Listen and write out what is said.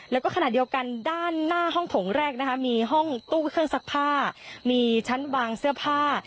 แล้วก็ขณะเดียวกันด้านหน้าห้องถงแรกนะคะมีห้องตู้เครื่องซักผ้ามีชั้นวางเสื้อผ้า